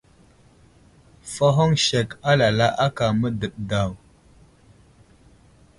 Fahoŋ sek alala aka mə́dəɗ daw.